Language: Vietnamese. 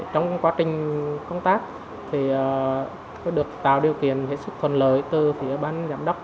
trong quá trình công tác thì tôi được tạo điều kiện hết sức thuận lợi từ phía ban giám đốc